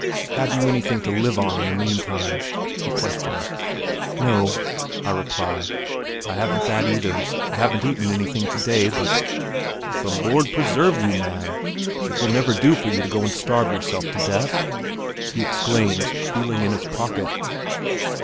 "Have you anything to live on in the meantime?" he questions. "No," I reply. "I haven't that either; I haven't eaten anything today, but...." "The Lord preserve you, man, it will never do for you to go and starve yourself to death," he exclaims, feeling in his pocket.